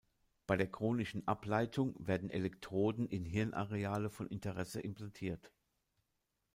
Bei der chronischen Ableitung werden Elektroden in Hirnareale von Interesse implantiert.